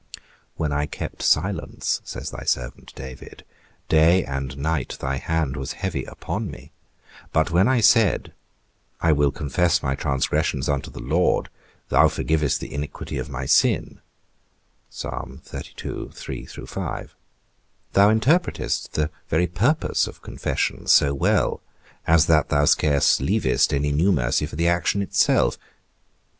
When I kept silence, says thy servant David, day and night thy hand was heavy upon me; but when I said, I will confess my transgressions unto the Lord, thou forgavest the iniquity of my sin. Thou interpretest the very purpose of confession so well, as that thou scarce leavest any new mercy for the action itself.